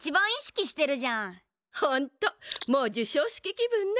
ホントもう受賞式気分ね。